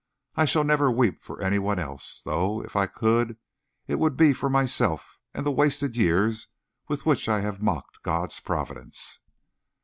I shall never weep for any one else; though, if I could, it would be for myself and the wasted years with which I have mocked God's providence."